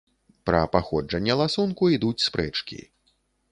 Пра паходжанне ласунку ідуць спрэчкі.